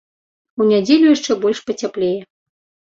У нядзелю яшчэ больш пацяплее.